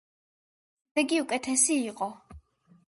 შედეგი უკეთესი იყო.